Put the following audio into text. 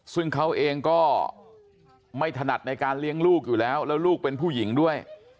ซึ่งเขาเองก็ไม่ถนัดในการเลี้ยงลูกอยู่แล้วแล้วลูกเป็นผู้หญิงด้วย